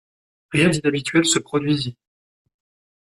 Rien d’inhabituel ne se produisit.